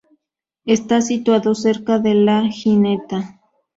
Está situado cerca de La Gineta.